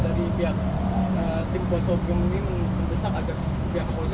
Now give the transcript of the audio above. apa dari pihak tim kuasa umum apa dari pihak tim kebarisan kebarisan kebarisan